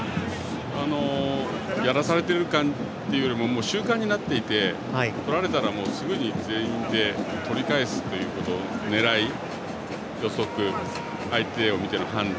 やらされている感というよりももう習慣になっていてとられたらすぐに全員でとり返すということ狙い、予測、相手を見ての判断